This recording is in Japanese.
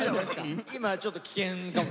今ちょっと危険かも。